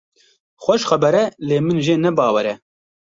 Xweş xeber e lê min jê ne bawer e.